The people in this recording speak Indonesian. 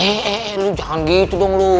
eh eh eh lo jangan gitu dong lo